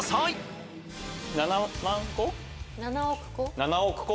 ７億個。